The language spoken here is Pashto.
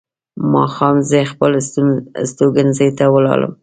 ماښام زه خپل استوګنځي ته ولاړم.